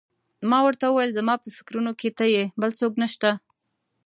ما ورته وویل: زما په فکرونو کې ته یې، بل څوک نه شته.